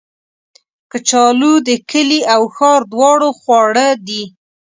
کچالو د کلي او ښار دواړو خواړه دي